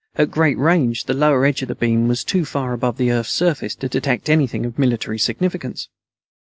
At great range, the lower edge of the beam was too far above the Earth's surface to detect anything of military significance.